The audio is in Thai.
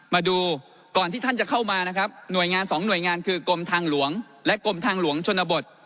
มาดูก่อนที่ท่านจะเข้ามานะครับหน่วยงานสองหน่วยงานคือกรมทางหลวงและกรมทางหลวงชนบท